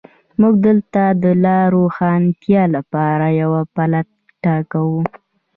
موږ دلته د لا روښانتیا لپاره یوه پرتله کوو.